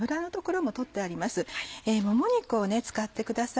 もも肉を使ってください。